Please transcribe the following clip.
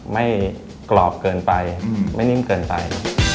ไม่กรอบเกินไปไม่นิ่มเกินไป